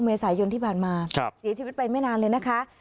เมษายนที่ผ่านมาเสียชีวิตไปไม่นานเลยนะคะ